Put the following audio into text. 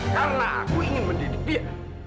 karena aku ingin mendidik dia